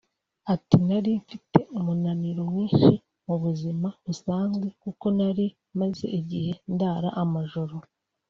Ati “Nari mfite umunaniro mwinshi mu buzima busanzwe kuko nari maze igihe ndara amajoro